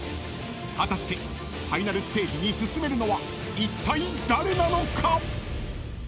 ［果たしてファイナルステージに進めるのはいったい誰なのか⁉］